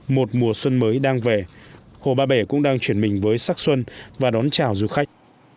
một mùa xuân mới đang về hồ ba bể cũng đang chuyển mình với sắc xuân và đón chào du khách